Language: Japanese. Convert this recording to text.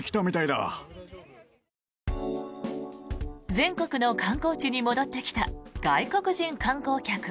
全国の観光地に戻ってきた外国人観光客。